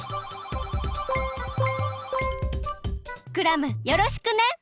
クラムよろしくね！